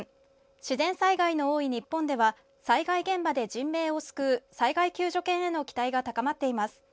自然災害の多い日本では災害現場で人命を救う災害救助犬への期待が高まっています。